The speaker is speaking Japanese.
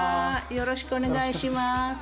よろしくお願いします。